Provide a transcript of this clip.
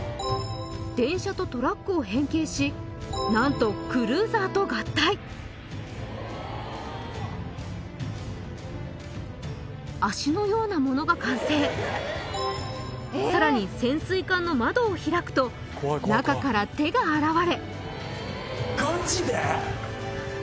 電車とトラックを変形しなんとクルーザーと合体脚のようなものが完成さらに潜水艦の窓を開くと中から手が現れ・ガチで？